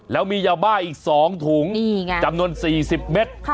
แล้วมียาบ้าอีก๒ถุงจำนวน๔๐เมตร